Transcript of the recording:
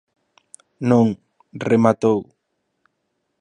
Non, rematou.